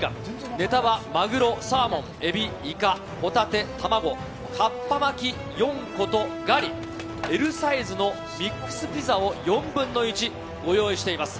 ネタはマグロ、サーモン、エビイカ、ホタテ、玉子かっぱ巻き４個とガリＬサイズのミックスピザを４分の１、ご用意しております。